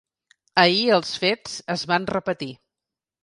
Ahir els fets es van repetir.